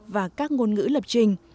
và các ngôn ngữ lập trình